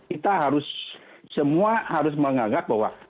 kita harus semua harus menganggap bahwa